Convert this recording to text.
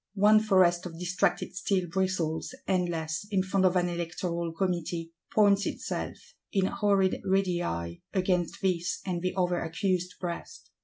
One forest of distracted steel bristles, endless, in front of an Electoral Committee; points itself, in horrid radii, against this and the other accused breast.